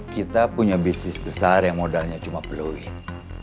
kita punya bisnis besar yang modalnya cuma peluit